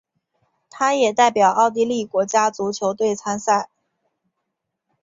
他也代表奥地利国家足球队参赛。